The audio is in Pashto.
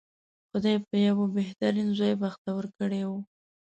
خدای په یوه بهترین زوی بختور کړی و.